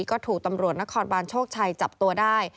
ก็ถูกตำรวจนครบานโชคชัยจับตัวได้